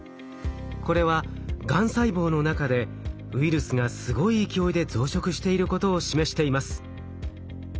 これはがん細胞の中でウイルスがすごい勢いで増殖していることを示しています。